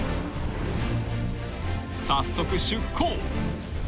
［早速出航］